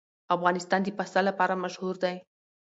افغانستان د پسه لپاره مشهور دی.